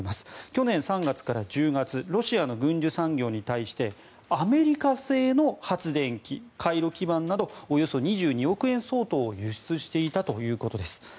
去年３月から１０月ロシアの軍需産業に対してアメリカ製の発電機、回路基板などおよそ２２億円相当を輸出していたということです。